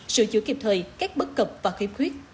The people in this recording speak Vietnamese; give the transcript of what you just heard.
sử dụng kịp thời các bất cập và khếp khuyết